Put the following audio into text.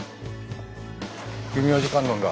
弘明寺観音だ。